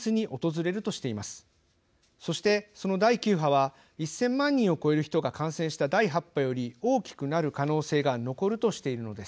そしてその第９波は１，０００万人を超える人が感染した第８波より大きくなる可能性が残るとしているのです。